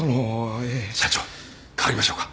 社長代わりましょうか？